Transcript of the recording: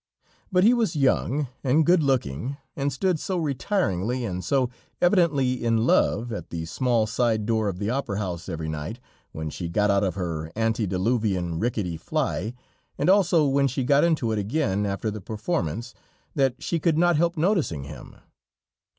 But he was young and good looking, and stood so retiringly, and so evidently in love, at the small side door of the Opera House every night, when she got out of her antediluvian rickety fly, and also when she got into it again after the performance, that she could not help noticing him.